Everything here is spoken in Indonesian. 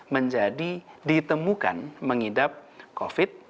menjadi ditemukan mengidap covid